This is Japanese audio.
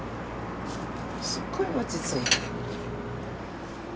すっごい落ち着いた。